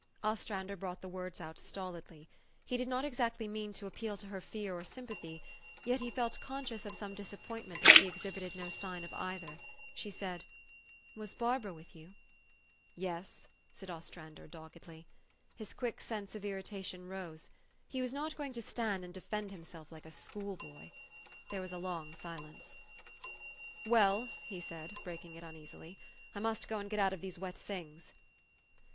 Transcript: Ostrander brought the words out stolidly. He did not exactly mean to appeal to her fear or sym pathy ; yet he felt conscious of some disappointment that she exhibited no sign of either. She said, ' Was Barbara with you ?'' u Yes," said Ostrander doggedly. His quick sense of irritation rose. He was not going to stand 352 THE STORY OF AVIS. and defend himself like a school boy. There was a long silence. "Well," he said, breaking it uneasily, " I must go and get out of these wet things."